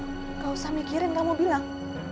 tidak usah mikirin kamu bilang